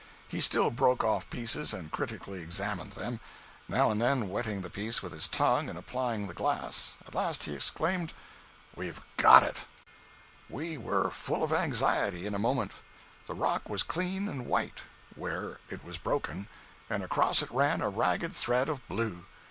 He still broke off pieces and critically examined them, now and then wetting the piece with his tongue and applying the glass. At last he exclaimed: "We've got it!" 210.jpg (74K) We were full of anxiety in a moment. The rock was clean and white, where it was broken, and across it ran a ragged thread of blue.